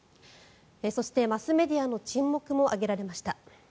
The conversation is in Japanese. そしてマスメディアの沈黙も挙げられました。